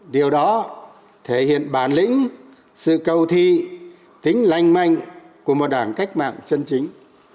điều đó thể hiện bản lĩnh sự cầu thi tính lành manh của một đảng cách mạng chân chính